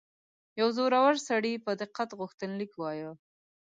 یو زوړ سړي په دقت غوښتنلیک وایه.